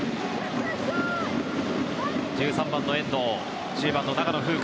１３番の遠藤。